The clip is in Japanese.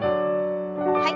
はい。